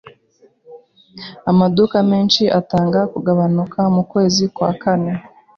Amaduka menshi atanga kugabanuka mukwezi kwa Kanama.